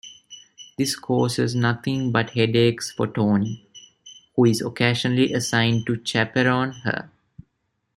This causes nothing but headaches for Toni, who is occasionally assigned to chaperone her.